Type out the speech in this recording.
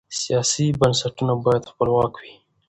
سیاسي بنسټونه باید خپلواک وي